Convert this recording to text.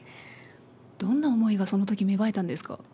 どんな思いがそのとき芽生えたんですか？